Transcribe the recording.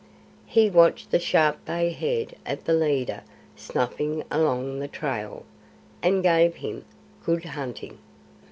He watched the sharp bay head of the leader snuffing along the trail, and gave him "Good hunting!"